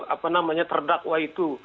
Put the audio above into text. apa namanya terdakwa itu